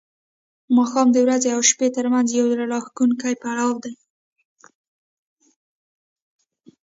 ماښام د ورځې او شپې ترمنځ یو زړه راښکونکی پړاو دی.